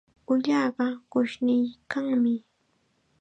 Ullaqa qushniykanmi.